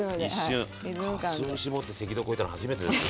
かつお節持って赤道越えたの始めてです。